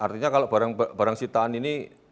artinya kalau barang sitaan ini